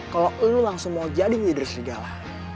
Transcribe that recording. kalau lo langsung mau jadi leader serigala